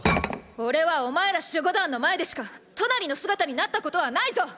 おれはお前ら守護団の前でしかトナリの姿になったことはないぞ！！